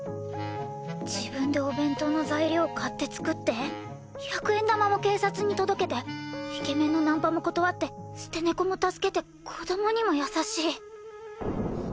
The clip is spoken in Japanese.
自分でお弁当の材料買って作って１００円玉も警察に届けてイケメンのナンパも断って捨て猫も助けて子供にも優しい。